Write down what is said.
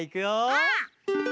うん！